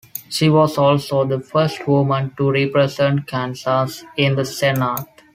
She was also the first woman to represent Kansas in the Senate.